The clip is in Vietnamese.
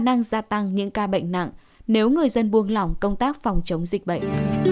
các quan chức y tế cấp cao thái lan dự đoán các ca bệnh nặng nếu người dân buông lỏng công tác phòng chống dịch bệnh